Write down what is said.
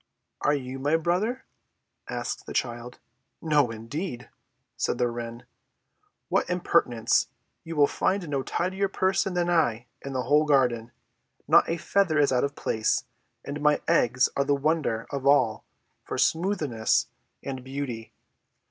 "Are you my brother?" asked the child. "No indeed!" said the wren. "What impertinence! You will find no tidier person than I in the whole garden. Not a feather is out of place, and my eggs are the wonder of all for smoothness and beauty.